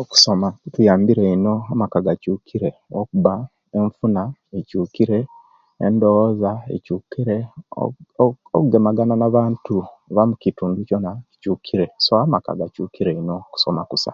Okusoma kutuyambire ino amaka gakyukire lwokuba enfuna ekyukire, endowoza ekyukire, ooh oooh ogemagana nabantu bamukitundu kyona kukyukire so amaka gakyukire ino okusoma kusa